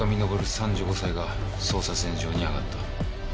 ３５歳が捜査線上にあがった。